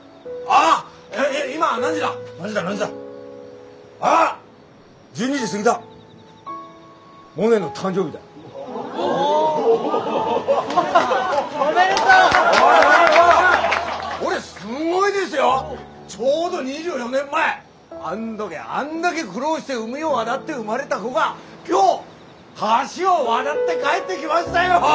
あん時あんだけ苦労して海を渡って生まれた子が今日橋を渡って帰ってきましたよ！